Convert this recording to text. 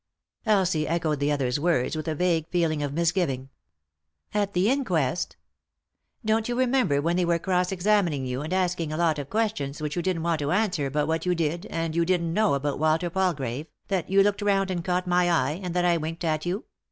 Elsie echoed the other's words with a vague feeling of misgiving. " At the inquest ?" "Don't you remember when they were cross examining you, and asking a lot of questions which you didn't want to answer about what you did and you didn't know about Walter Palgrave, that you looked round and caught my eye, and that I winked at you